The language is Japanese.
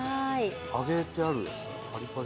揚げてあるやつだパリパリの。